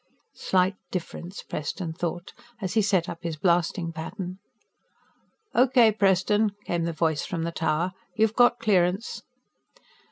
Slight difference, Preston thought, as he set up his blasting pattern. "Okay, Preston," came the voice from the tower. "You've got clearance."